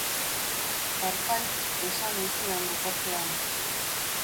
Parfait, esan ohi zuen bukatzean.